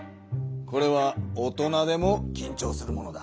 これは大人でもきんちょうするものだ。